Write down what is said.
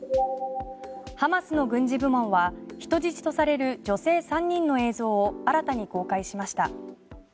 ハマスの軍事部門は人質とされる女性３人の映像を新たに公開しました。